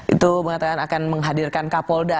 itu mengatakan akan menghadirkan kapolda